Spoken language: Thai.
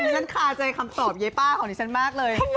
ฉันคาใจคำตอบเย้ป้าของดิฉันมากเลย